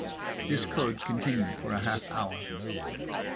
This code continued for a half hour.